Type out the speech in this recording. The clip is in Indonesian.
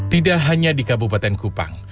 tidak hanya di kabupaten kupang